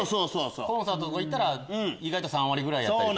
コンサートとか行ったら意外と３割ぐらいやったり。